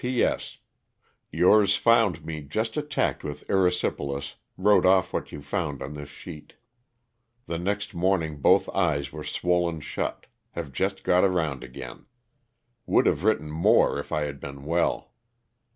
p. s. — Yours found me just attacked with erysip elas, wrote off what you find on this sheet ; the next morning both eyes were swollen shut, have just got around again. Would have written more if I had been well.